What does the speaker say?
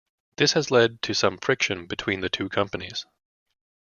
This has led to some friction between the two companies.